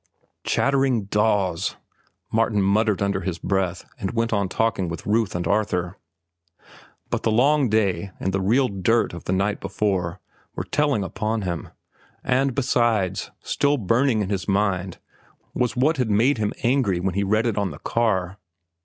"Chattering daws," Martin muttered under his breath, and went on talking with Ruth and Arthur. But the long day and the "real dirt" of the night before were telling upon him; and, besides, still in his burnt mind was what had made him angry when he read it on the car.